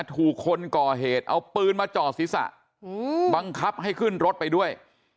ถูกคนก่อเหตุเอาปืนมาจ่อศีรษะบังคับให้ขึ้นรถไปด้วย